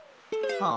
ああ！